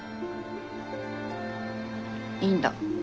「いいんだ。